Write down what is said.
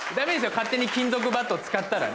勝手に金属バット使ったらね。